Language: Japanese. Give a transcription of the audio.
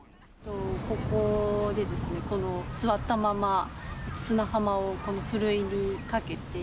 ここで、この座ったまま、砂浜をふるいにかけて。